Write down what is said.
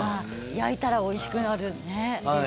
焼いたらおいしくなるんですね。